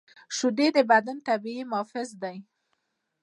شیدې د بدن طبیعي محافظ دي